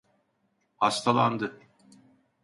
Hastalandı.